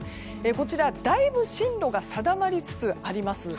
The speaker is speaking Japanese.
こちら、だいぶ進路が定まりつつあります。